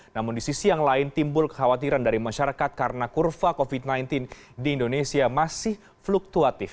namun di sisi yang lain timbul kekhawatiran dari masyarakat karena kurva covid sembilan belas di indonesia masih fluktuatif